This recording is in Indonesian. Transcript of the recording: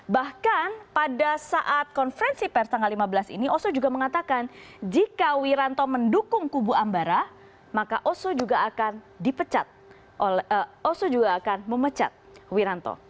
bahkan pada saat konferensi per tanggal lima belas ini oso juga mengatakan jika wiranto mendukung kubu ambara maka oso juga akan memecat wiranto